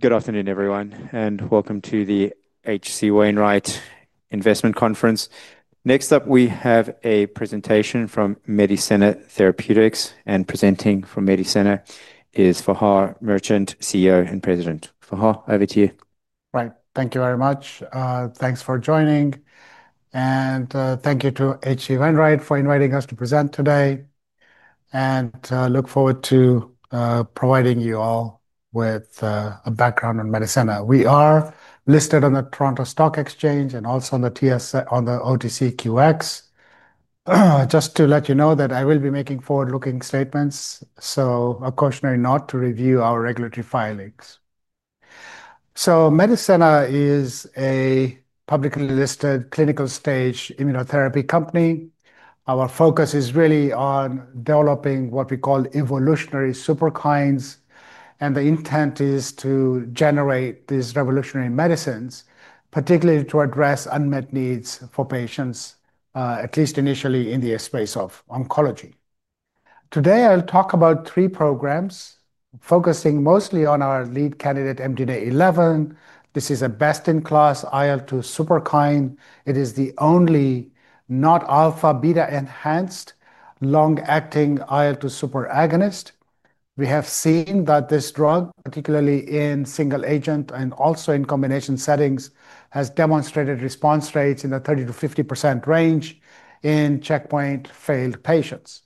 Good afternoon, everyone, and welcome to the HC Wainwright Investment Conference. Next up, we have a presentation from Medicenna Therapeutics, and presenting for Medicenna is Dr. Fahar Merchant, CEO and President. Fahar, over to you. Thank you very much. Thanks for joining, and thank you to HC Wainwright for inviting us to present today. I look forward to providing you all with a background on Medicenna. We are listed on the Toronto Stock Exchange and also on the OTCQX. Just to let you know that I will be making forward-looking statements, so a cautionary note to review our regulatory filings. Medicenna is a publicly listed clinical-stage immunotherapy company. Our focus is really on developing what we call evolutionary superkines, and the intent is to generate these revolutionary medicines, particularly to address unmet needs for patients, at least initially in the space of oncology. Today, I'll talk about three programs focusing mostly on our lead candidate, MDNA11. This is a best-in-class IL-2 superkine. It is the only not alpha-beta enhanced long-acting IL-2 super agonist. We have seen that this drug, particularly in single agent and also in combination settings, has demonstrated response rates in the 30% to 50% range in checkpoint failed patients.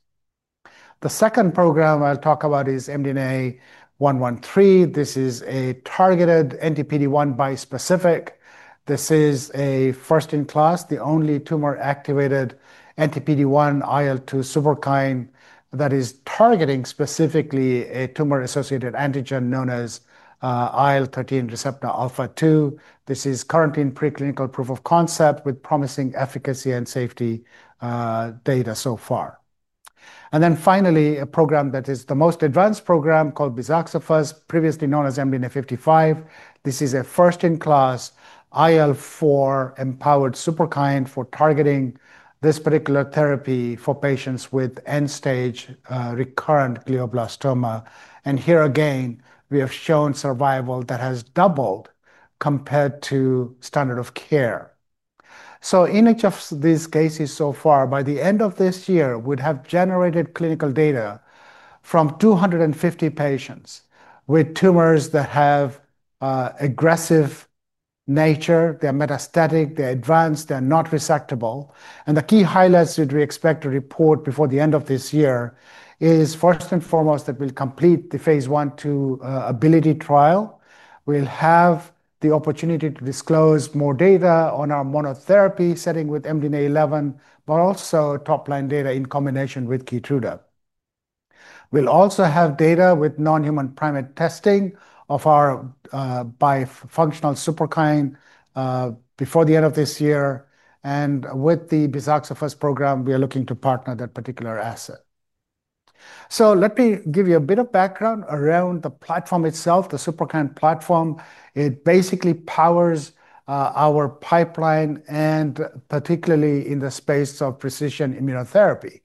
The second program I'll talk about is MDNA113. This is a targeted anti-PD-1 bispecific. This is a first-in-class, the only tumor-activated anti-PD-1 IL-2 superkine that is targeting specifically a tumor-associated antigen known as IL-13 receptor alpha-2. This is currently in preclinical proof of concept with promising efficacy and safety data so far. Finally, a program that is the most advanced program called Bizaxofusp, previously known as MDNA55. This is a first-in-class IL-4 empowered superkine for targeting this particular therapy for patients with end-stage recurrent glioblastoma. Here again, we have shown survival that has doubled compared to standard of care. In each of these cases so far, by the end of this year, we'd have generated clinical data from 250 patients with tumors that have an aggressive nature. They're metastatic, they're advanced, they're not resectable. The key highlights that we expect to report before the end of this year are first and foremost that we'll complete the phase 1/2 ability trial. We'll have the opportunity to disclose more data on our monotherapy setting with MDNA11, but also top-line data in combination with Keytruda®. We'll also have data with non-human primate testing of our bifunctional superkine before the end of this year. With the Bizaxofusp program, we are looking to partner that particular asset. Let me give you a bit of background around the platform itself, the Superkine™ platform. It basically powers our pipeline, particularly in the space of precision immunotherapy.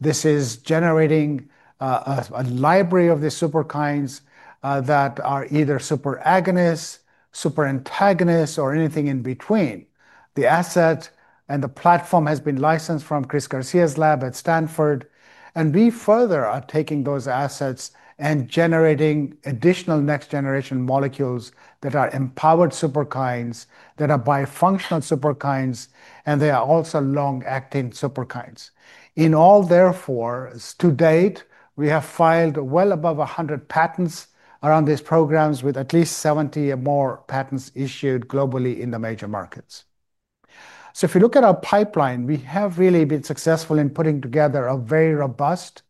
This is generating a library of the superkines that are either super agonists, super antagonists, or anything in between. The asset and the platform have been licensed from Dr. Chris Garcia's lab at Stanford. We further are taking those assets and generating additional next-generation molecules that are empowered superkines, that are bifunctional superkines, and they are also long-acting superkines. In all, therefore, to date, we have filed well above 100 patents around these programs with at least 70 or more patents issued globally in the major markets. If you look at our pipeline, we have really been successful in putting together a very robust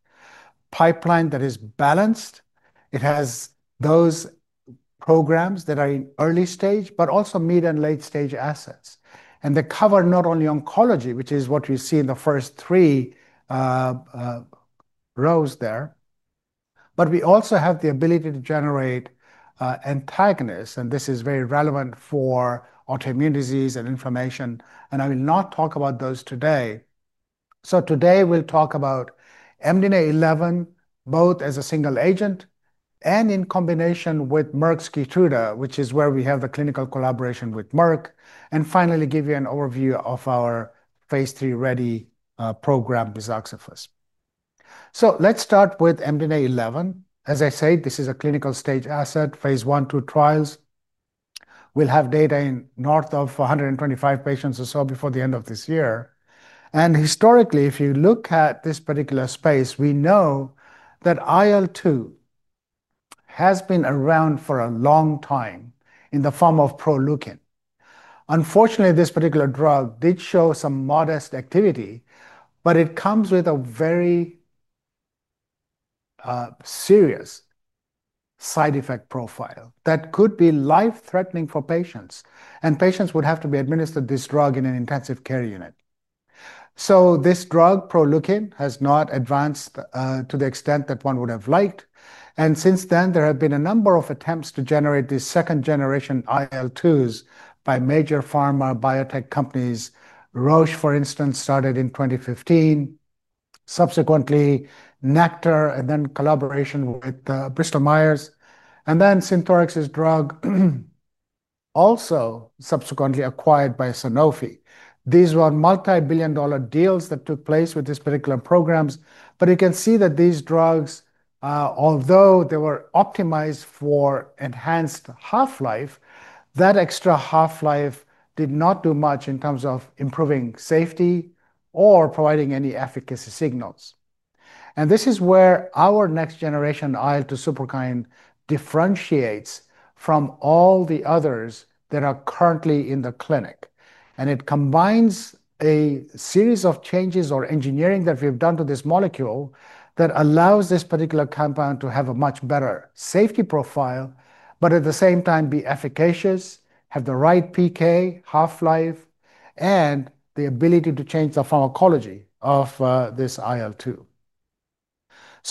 pipeline that is balanced. It has those programs that are in early stage, but also mid and late stage assets. They cover not only oncology, which is what you see in the first three rows there, but we also have the ability to generate antagonists. This is very relevant for autoimmune disease and inflammation. I will not talk about those today. Today, we'll talk about MDNA11, both as a single agent and in combination with Merck's Keytruda®, which is where we have the clinical collaboration with Merck. Finally, give you an overview of our phase 3 ready program, Bizaxofusp. Let's start with MDNA11. As I said, this is a clinical stage asset, phase 1/2 trials. We'll have data in north of 425 patients or so before the end of this year. Historically, if you look at this particular space, we know that IL-2 has been around for a long time in the form of Proleukin. Unfortunately, this particular drug did show some modest activity, but it comes with a very serious side effect profile that could be life-threatening for patients. Patients would have to be administered this drug in an intensive care unit. This drug, Proleukin, has not advanced to the extent that one would have liked. Since then, there have been a number of attempts to generate the second generation IL-2s by major pharma biotech companies. Roche, for instance, started in 2015. Subsequently, Nektar and then collaboration with Bristol Myers. Then Synthorix is a drug also subsequently acquired by Sanofi. These were multi-billion dollar deals that took place with these particular programs. You can see that these drugs, although they were optimized for enhanced half-life, that extra half-life did not do much in terms of improving safety or providing any efficacy signals. This is where our next generation IL-2 superkine differentiates from all the others that are currently in the clinic. It combines a series of changes or engineering that we've done to this molecule that allows this particular compound to have a much better safety profile, but at the same time be efficacious, have the right PK, half-life, and the ability to change the pharmacology of this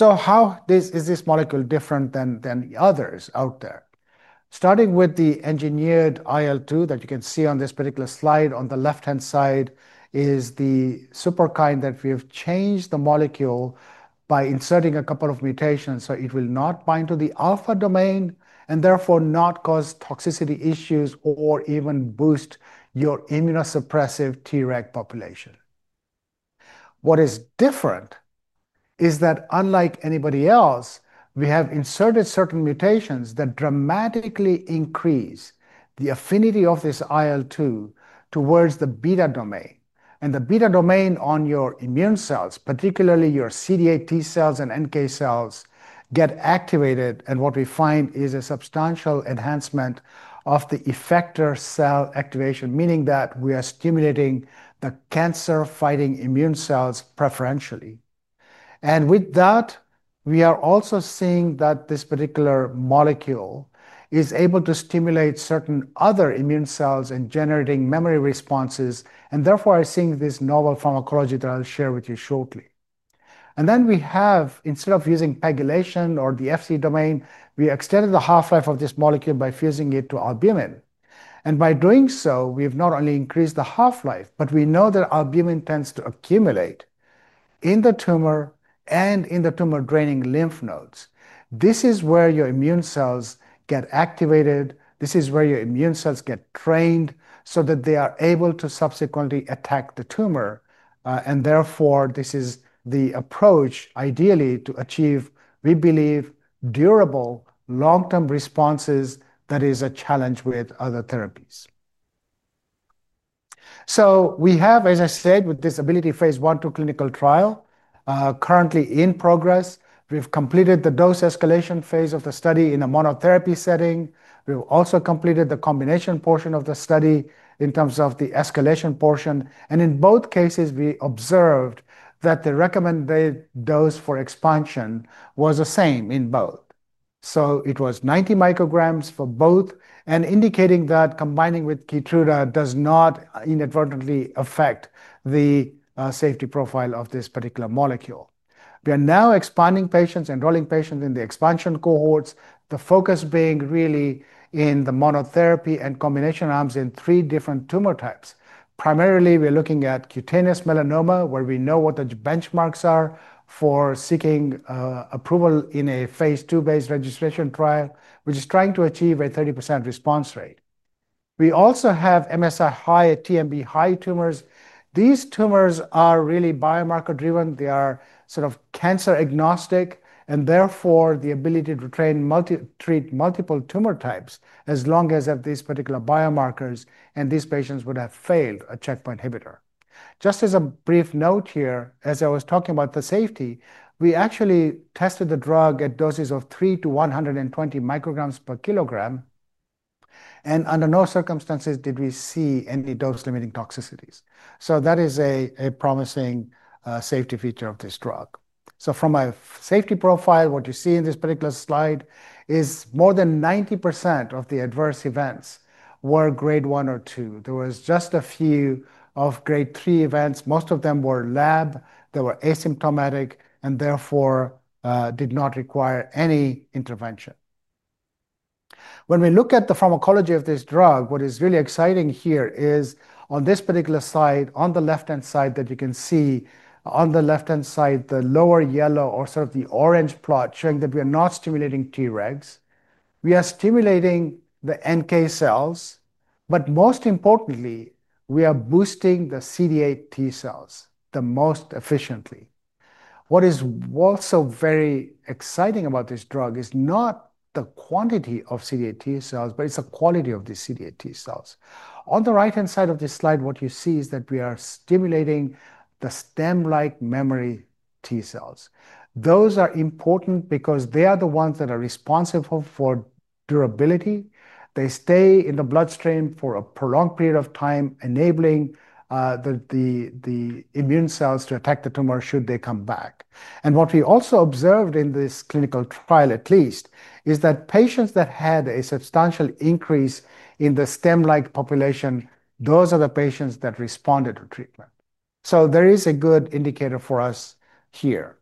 IL-2. How is this molecule different than the others out there? Starting with the engineered IL-2 that you can see on this particular slide, on the left-hand side is the superkine that we have changed the molecule by inserting a couple of mutations so it will not bind to the alpha domain and therefore not cause toxicity issues or even boost your immunosuppressive T-reg population. What is different is that unlike anybody else, we have inserted certain mutations that dramatically increase the affinity of this IL-2 towards the beta domain. The beta domain on your immune cells, particularly your CD8 T cells and NK cells, gets activated. What we find is a substantial enhancement of the effector cell activation, meaning that we are stimulating the cancer-fighting immune cells preferentially. With that, we are also seeing that this particular molecule is able to stimulate certain other immune cells in generating memory responses. I think this novel pharmacology that I'll share with you shortly. We have, instead of using pegylation or the Fc domain, extended the half-life of this molecule by fusing it to albumin. By doing so, we've not only increased the half-life, but we know that albumin tends to accumulate in the tumor and in the tumor draining lymph nodes. This is where your immune cells get activated. This is where your immune cells get trained so that they are able to subsequently attack the tumor. This is the approach ideally to achieve, we believe, durable long-term responses that are a challenge with other therapies. We have, as I said, with this ability phase 1 to clinical trial, currently in progress. We've completed the dose escalation phase of the study in a monotherapy setting. We've also completed the combination portion of the study in terms of the escalation portion. In both cases, we observed that the recommended dose for expansion was the same in both. It was 90 micrograms for both, indicating that combining with Keytruda® does not inadvertently affect the safety profile of this particular molecule. We are now expanding patients and enrolling patients in the expansion cohorts, the focus being really in the monotherapy and combination arms in three different tumor types. Primarily, we're looking at cutaneous melanoma, where we know what the benchmarks are for seeking approval in a phase 2-based registration trial, which is trying to achieve a 30% response rate. We also have MSI-high, TMB-high tumors. These tumors are really biomarker driven. They are sort of cancer agnostic, and therefore, the ability to treat multiple tumor types as long as these particular biomarkers and these patients would have failed a checkpoint inhibitor. Just as a brief note here, as I was talking about the safety, we actually tested the drug at doses of 3 to 120 micrograms per kilogram. Under no circumstances did we see any dose-limiting toxicities. That is a promising safety feature of this drug. From a safety profile, what you see in this particular slide is more than 90% of the adverse events were grade one or two. There were just a few of grade three events. Most of them were lab. They were asymptomatic and therefore did not require any intervention. When we look at the pharmacology of this drug, what is really exciting here is on this particular side, on the left-hand side, that you can see on the left-hand side, the lower yellow or sort of the orange plot showing that we are not stimulating T-regs. We are stimulating the NK cells, but most importantly, we are boosting the CD8 T cells the most efficiently. What is also very exciting about this drug is not the quantity of CD8 T cells, but it's the quality of the CD8 T cells. On the right-hand side of this slide, what you see is that we are stimulating the stem-like memory T cells. Those are important because they are the ones that are responsible for durability. They stay in the bloodstream for a prolonged period of time, enabling the immune cells to attack the tumor should they come back. What we also observed in this clinical trial, at least, is that patients that had a substantial increase in the stem-like population, those are the patients that responded to treatment. There is a good indicator for us here.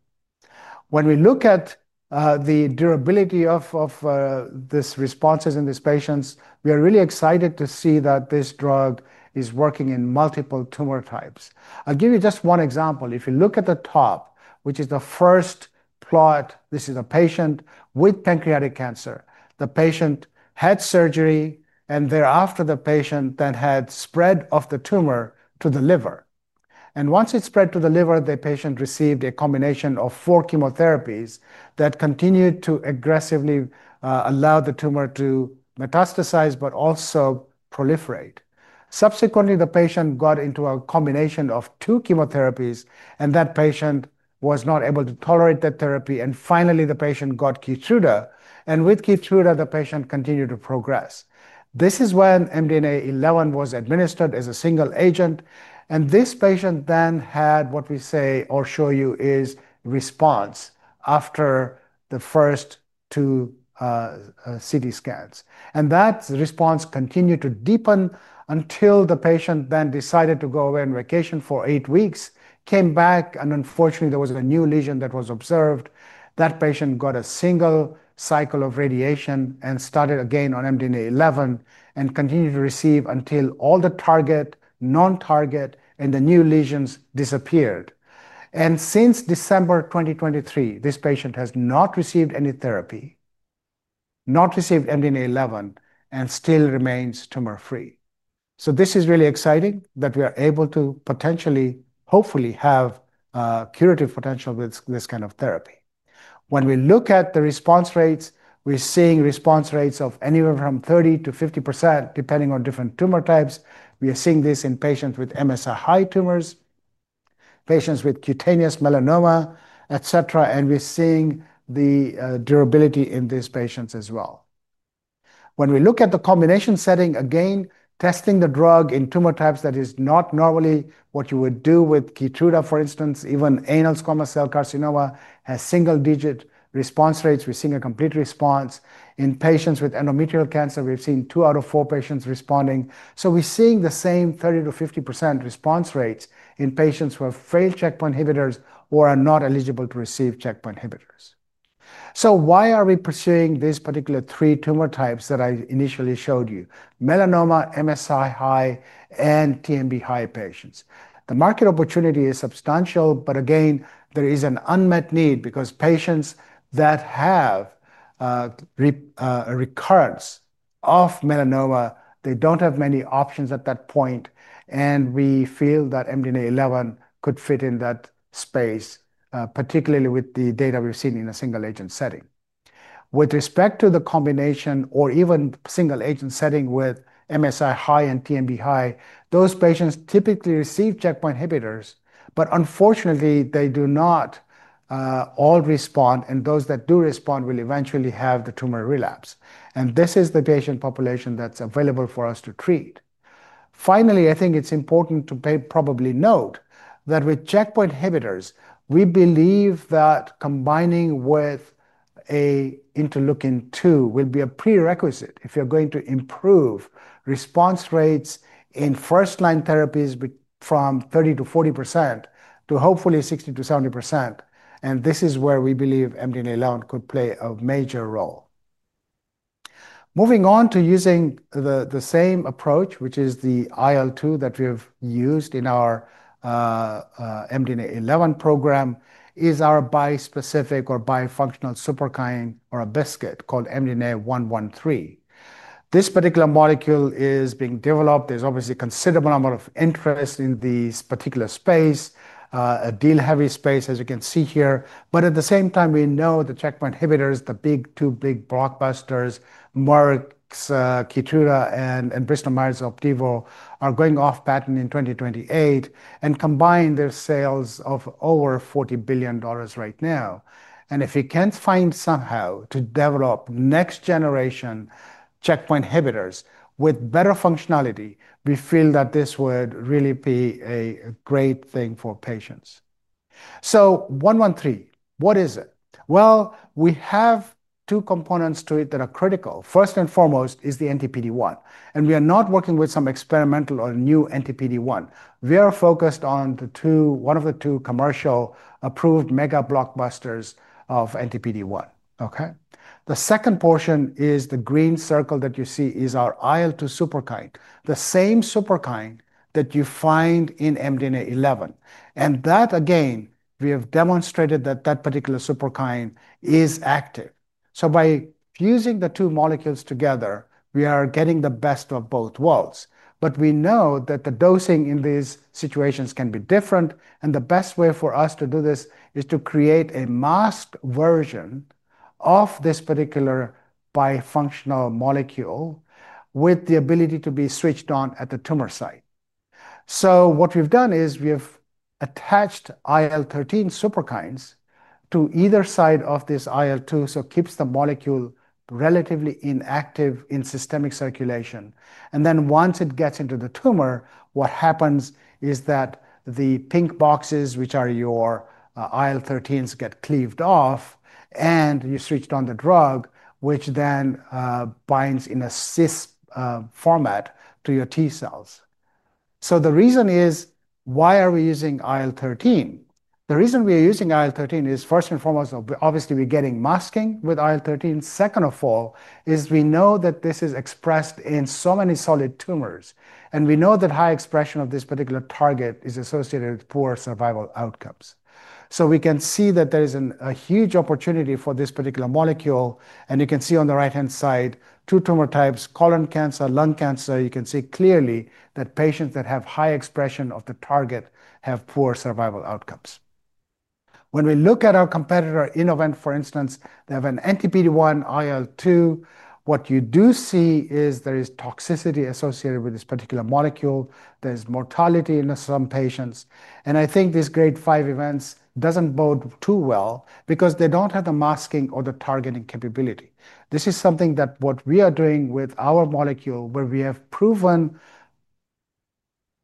When we look at the durability of these responses in these patients, we are really excited to see that this drug is working in multiple tumor types. I'll give you just one example. If you look at the top, which is the first plot, this is a patient with pancreatic cancer. The patient had surgery, and thereafter, the patient then had spread of the tumor to the liver. Once it spread to the liver, the patient received a combination of four chemotherapies that continued to aggressively allow the tumor to metastasize, but also proliferate. Subsequently, the patient got into a combination of two chemotherapies, and that patient was not able to tolerate that therapy. Finally, the patient got Keytruda®. With Keytruda®, the patient continued to progress. This is when MDNA11 was administered as a single agent. This patient then had what we say or show you is response after the first two CT scans. That response continued to deepen until the patient then decided to go away on vacation for eight weeks, came back, and unfortunately, there was a new lesion that was observed. That patient got a single cycle of radiation and started again on MDNA11 and continued to receive until all the target, non-target, and the new lesions disappeared. Since December 2023, this patient has not received any therapy, not received MDNA11, and still remains tumor-free. This is really exciting that we are able to potentially, hopefully, have a curative potential with this kind of therapy. When we look at the response rates, we're seeing response rates of anywhere from 30% to 50%, depending on different tumor types. We are seeing this in patients with MSI-high tumors, patients with cutaneous melanoma, et cetera, and we're seeing the durability in these patients as well. When we look at the combination setting, again, testing the drug in tumor types that is not normally what you would do with Keytruda®, for instance, even anal squamous cell carcinoma, has single-digit response rates. We're seeing a complete response. In patients with endometrial cancer, we've seen two out of four patients responding. We're seeing the same 30% to 50% response rates in patients who have failed checkpoint inhibitors or are not eligible to receive checkpoint inhibitors. Why are we pursuing these particular three tumor types that I initially showed you: melanoma, MSI-high, and TMB-high patients? The market opportunity is substantial, but again, there is an unmet need because patients that have a recurrence of melanoma, they don't have many options at that point. We feel that MDNA11 could fit in that space, particularly with the data we've seen in a single agent setting. With respect to the combination or even single agent setting with MSI-high and TMB-high, those patients typically receive checkpoint inhibitors, but unfortunately, they do not all respond. Those that do respond will eventually have the tumor relapse. This is the patient population that's available for us to treat. Finally, I think it's important to probably note that with checkpoint inhibitors, we believe that combining with an interleukin-2 will be a prerequisite if you're going to improve response rates in first-line therapies from 30% to 40% to hopefully 60% to 70%. This is where we believe MDNA11 could play a major role. Moving on to using the same approach, which is the IL-2 that we have used in our MDNA11 program, is our bispecific or bifunctional superkine or a BiSKIT called MDNA113. This particular molecule is being developed. There's obviously a considerable amount of interest in this particular space, a deal-heavy space, as you can see here. At the same time, we know the checkpoint inhibitors, the two big blockbusters, Merck's Keytruda® and Bristol Myers' Opdivo, are going off patent in 2028 and combine their sales of over $40 billion right now. If we can find somehow to develop next-generation checkpoint inhibitors with better functionality, we feel that this would really be a great thing for patients. So 113, what is it? We have two components to it that are critical. First and foremost is the anti-PD-1, and we are not working with some experimental or new anti-PD-1. We are focused on one of the two commercially approved mega blockbusters of anti-PD-1. The second portion is the green circle that you see is our IL-2 superkine, the same superkine that you find in MDNA11. Again, we have demonstrated that that particular superkine is active. By fusing the two molecules together, we are getting the best of both worlds. We know that the dosing in these situations can be different. The best way for us to do this is to create a masked version of this particular bifunctional molecule with the ability to be switched on at the tumor site. What we've done is we have attached IL-13 superkines to either side of this IL-2, so it keeps the molecule relatively inactive in systemic circulation. Once it gets into the tumor, the pink boxes, which are your IL-13s, get cleaved off and you switch on the drug, which then binds in a cis format to your T cells. The reason is, why are we using IL-13? The reason we are using IL-13 is, first and foremost, obviously, we're getting masking with IL-13. Second of all, we know that this is expressed in so many solid tumors. We know that high expression of this particular target is associated with poor survival outcomes. We can see that there is a huge opportunity for this particular molecule. You can see on the right-hand side, two tumor types, colon cancer, lung cancer. You can see clearly that patients that have high expression of the target have poor survival outcomes. When we look at our competitor Innovent, for instance, they have an anti-PD-1 IL-2. What you do see is there is toxicity associated with this particular molecule. There is mortality in some patients. I think these grade 5 events don't bode too well because they don't have the masking or the targeting capability. This is something that we are doing with our molecule, where we have proven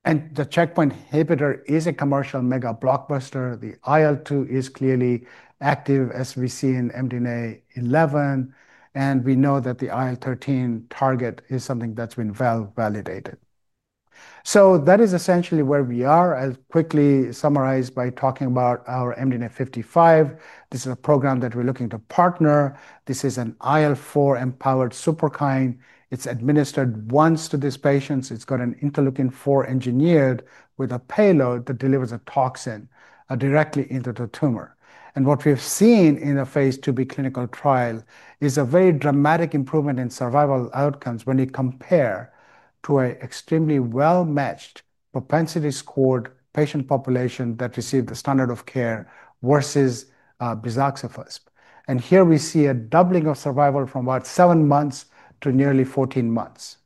the checkpoint inhibitor is a commercial mega blockbuster. The IL-2 is clearly active, as we see in MDNA11. We know that the IL-13 target is something that's been well validated. That is essentially where we are. I'll quickly summarize by talking about our MDNA55. This is a program that we're looking to partner. This is an IL-4 empowered superkine. It's administered once to these patients. It's got an interleukin-4 engineered with a payload that delivers a toxin directly into the tumor. What we've seen in a phase 2b clinical trial is a very dramatic improvement in survival outcomes when you compare to an extremely well-matched propensity-scored patient population that received the standard of care versus Bizaxofusp. Here we see a doubling of survival from about 7 months to nearly 14 months.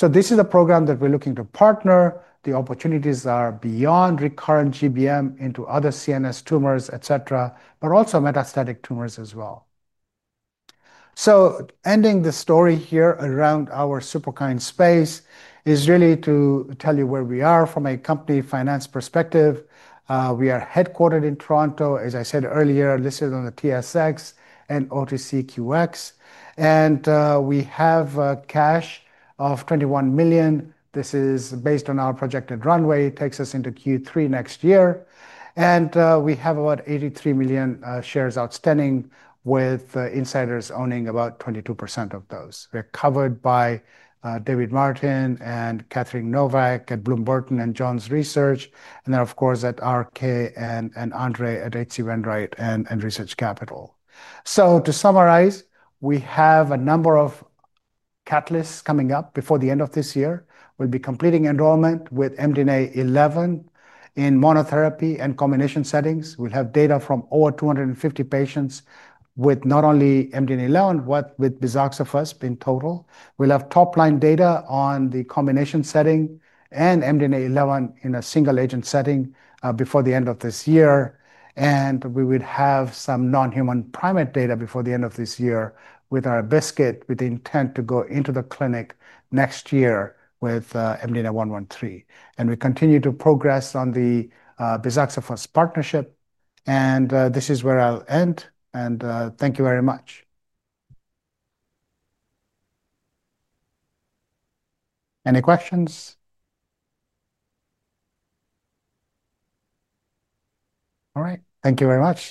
This is a program that we're looking to partner. The opportunities are beyond recurrent GBM into other CNS tumors, etc., but also metastatic tumors as well. Ending the story here around our superkine space is really to tell you where we are from a company finance perspective. We are headquartered in Toronto. As I said earlier, listed on the Toronto Stock Exchange and OTCQX. We have a cash of $21 million. This is based on our projected runway. It takes us into Q3 next year. We have about 83 million shares outstanding, with insiders owning about 22% of those. We're covered by David Martin and Kathryn Novak at Bloom Burton and Jones Research. At RK and Andre at HC Wainwright and Research Capital. To summarize, we have a number of catalysts coming up before the end of this year. We'll be completing enrollment with MDNA11 in monotherapy and combination settings. We'll have data from over 250 patients with not only MDNA11, but with Bizaxofusp in total. We'll have top-line data on the combination setting and MDNA11 in a single agent setting before the end of this year. We would have some non-human primate data before the end of this year with our BiSKITs™ with the intent to go into the clinic next year with MDNA113. We continue to progress on the Bizaxofusp partnership. This is where I'll end. Thank you very much. Any questions? All right. Thank you very much.